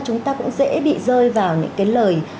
chúng ta cũng dễ bị rơi vào những cái lời